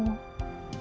nanti mama telah